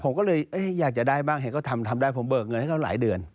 ผมก็เลยอยากจะได้บ้างเห็นก็ทำทำได้ผมเบิกเงินให้เขาหลายเดือน